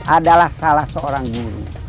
adalah salah seorang guru